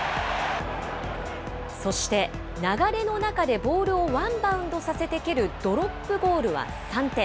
そして、流れの中でボールをワンバウンドさせて蹴るドロップゴールは３点。